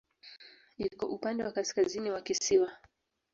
Iko upande wa kaskazini wa kisiwa.